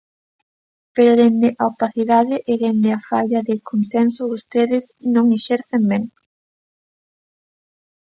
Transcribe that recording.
Pero dende a opacidade e dende a falla de consenso vostedes non exercen ben.